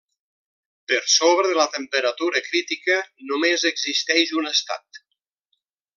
Per sobre de la temperatura crítica, només existeix un estat.